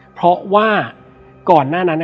เพราะว่าก่อนหน้านั้น